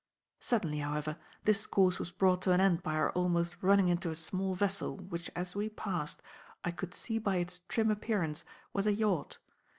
Suddenly, however, this course was brought to an end by our almost running into a small vessel which as we passed I could see by its trim appearance was a yacht.